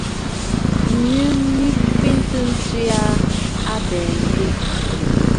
Miʼi mɨ Kweʼefɔ̀ tswe aa a mbɛ̀ɛ̀ ŋ̀gɛ̀ɛ̀.